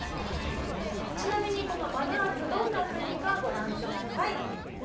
ちなみにこのバヌアツどんな国かご覧ください。